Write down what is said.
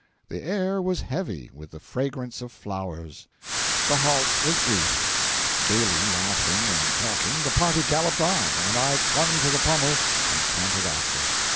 The air was heavy with the fragrance of flowers. The halt was brief.—Gayly laughing and talking, the party galloped on, and I clung to the pommel and cantered after.